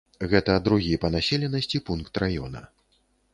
Гэта другі па населенасці пункт раёна.